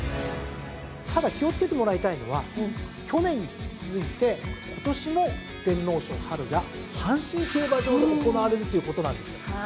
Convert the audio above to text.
ただ気を付けてもらいたいのは去年に引き続いて今年も天皇賞が阪神競馬場で行われるということなんですよ。